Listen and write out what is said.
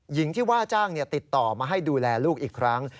หญิงที่ว่าจ้างติดต่อมาให้ดูแลลูกอีกครั้ง